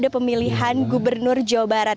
pemilihan gubernur jawa barat